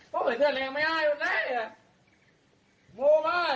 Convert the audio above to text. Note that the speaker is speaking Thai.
ผู้ชมครับท่าน